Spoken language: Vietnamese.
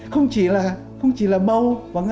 không chỉ là màu